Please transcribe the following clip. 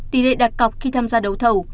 tỷ lệ đặt cọc khi tham gia đấu thầu